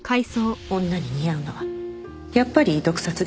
女に似合うのはやっぱり毒殺でしょ？